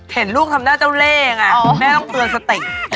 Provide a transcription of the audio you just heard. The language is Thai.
เห็นลูกทำหน้าเจ้าเล่ไงแม่ต้องเตือนสติ